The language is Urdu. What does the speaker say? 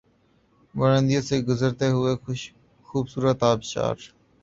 بلندیوں سے گرتے ہوئے خوبصورت آبشار